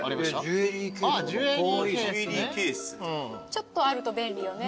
ちょっとあると便利よね。